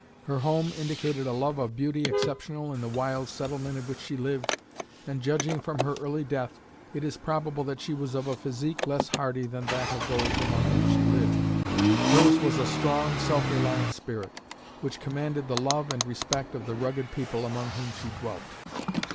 Her home indicated a love of beauty exceptional in the wild settlement in which she lived, and judging from her early death it is probable that she was of a physique less hardy than that of those among whom she lived. Hers was a strong, self reliant spirit, which commanded the love and respect of the rugged people among whom she dwelt."